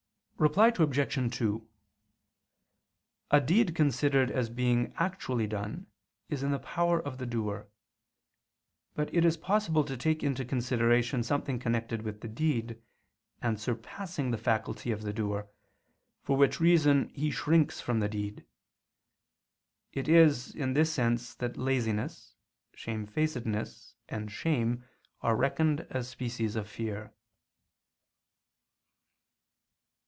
Reply Obj. 2: A deed considered as being actually done, is in the power of the doer. But it is possible to take into consideration something connected with the deed, and surpassing the faculty of the doer, for which reason he shrinks from the deed. It is in this sense that laziness, shamefacedness, and shame are reckoned as species of fear.